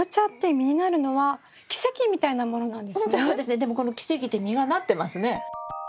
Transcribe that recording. でもこの奇跡で実がなってますね。